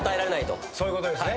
そういうことですね